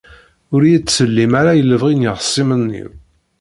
Ur iyi-ttsellim ara i lebɣi n yexṣimen-iw.